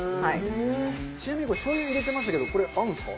「ちなみにこれしょう油入れてましたけどこれ合うんですか？」